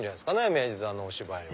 明治座のお芝居を。